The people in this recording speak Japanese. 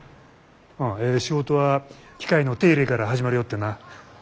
ええ仕事は機械の手入れから始まるよってな。